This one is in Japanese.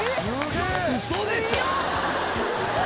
ウソでしょ？